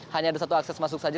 hanya ada satu akses masuk saja